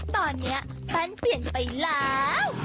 ตอนนี้แป้นเปลี่ยนไปแล้ว